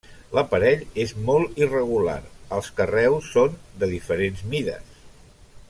L'aparell és molt irregular; els carreus són de diferents mides.